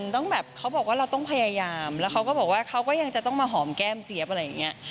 ต้องแบบเขาบอกว่าเราต้องพยายามแล้วเขาก็บอกว่าเขาก็ยังจะต้องมาหอมแก้มเจี๊ยบอะไรอย่างนี้